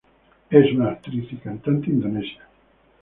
Es una actriz y cantante indonesia.